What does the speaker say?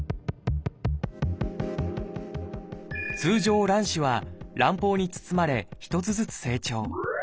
通常卵子は卵胞に包まれ一つずつ成長。